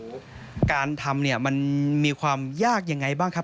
โอ้โหการทำมันมีความยากยังไงบ้างครับ